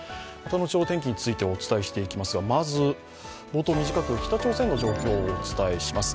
後ほどお天気についてお伝えしていきますが、まず冒頭短く北朝鮮の状況をお伝えいたします。